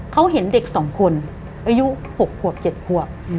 เขาเห็นเด็ก๒คนอายุ๖ขวบ๗ขวบ